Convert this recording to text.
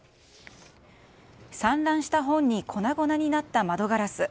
散乱した本に粉々になった窓ガラス。